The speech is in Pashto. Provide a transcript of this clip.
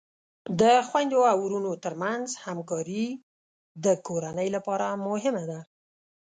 د خویندو او ورونو ترمنځ همکاری د کورنۍ لپاره مهمه ده.